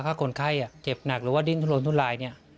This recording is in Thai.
ถ้าคนไข้เจ็บหนักหรือว่าดิ้งทุนลนทุนลาย